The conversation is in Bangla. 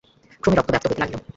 ক্রমে রক্ত ব্যাপ্ত হইতে লাগিল।